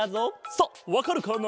さあわかるかな？